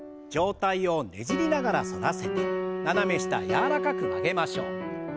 上体をねじりながら反らせて斜め下柔らかく曲げましょう。